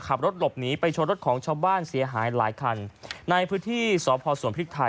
ขับรถหลบหนีไปชนรถของชาวบ้านเสียหายหลายคันในพื้นที่สพสวนพริกไทย